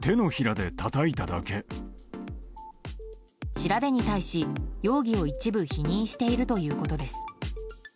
調べに対し、容疑を一部否認しているということです。